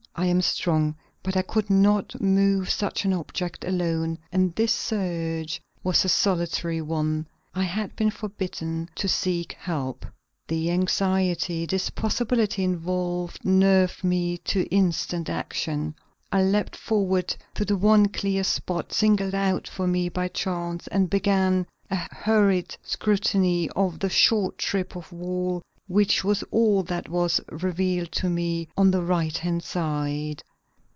I am strong, but I could not move such an object alone, and this search was a solitary one; I had been forbidden to seek help. The anxiety this possibility involved nerved me to instant action. I leaped forward to the one clear spot singled out for me by chance and began a hurried scrutiny of the short strip of wall which was all that was revealed to me on the right hand side.